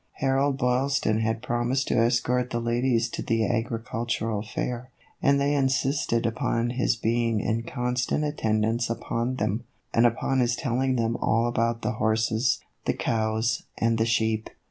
133 Harold Boylston had promised to escort the ladies to the agricultural fair, and they insisted upon his being in constant attendance upon them, and upon his telling them all about the horses, the cows, and the sheep.